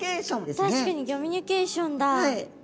確かにギョミュニケーションだ。